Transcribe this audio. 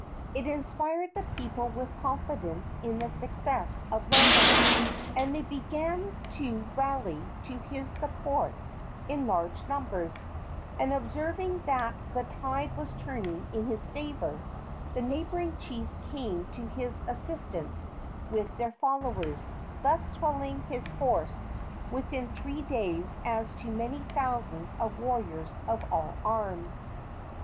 It inspired the people with confidence in the success of Lono, and they began to rally to his support in large numbers; and, observing that the tide was turning in his favor, the neighboring chiefs came to his assistance with their followers, thus swelling his force within three days to as many thousands of warriors of all arms.